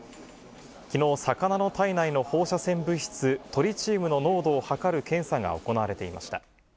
きのう、魚の体内の放射線物質、トリチウムの濃度を測る検査が行われていました。